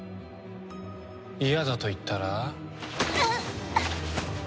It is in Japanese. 嫌だと言ったら？